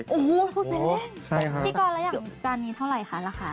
โอ้โฮพูดไปเล่นพี่กรแล้วอย่างจานนี้เท่าไหร่คะราคา